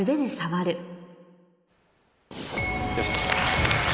よし。